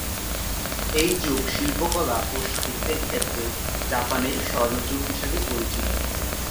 এই যুগ শিল্পকলা ও সাহিত্যের ক্ষেত্রে জাপানের স্বর্ণযুগ হিসেবে পরিচিত।